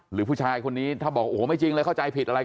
หรือผู้ชายคนนี้ถ้าบอกโอ้โหไม่จริงเลยเข้าใจผิดอะไร